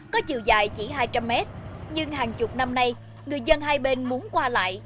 có chiều dài chỉ hai trăm linh mét nhưng hàng chục năm nay người dân hai bên muốn qua lại